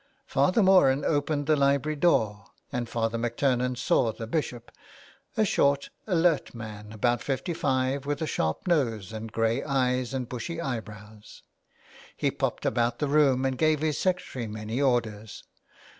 Father Moran opened the library door, and Father MacTurnan saw the Bishop — a short, alert man, about fifty five, with a sharp nose and grey eyes and bushy eyebrows. He popped about the room and gave his secretary many orders.